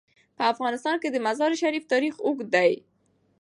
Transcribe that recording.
په افغانستان کې د مزارشریف تاریخ اوږد دی.